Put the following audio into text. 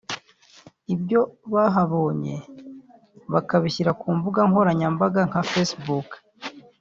ibyo bahabonye bakabishyira ku mbuga nkoranyambaga nka Facebook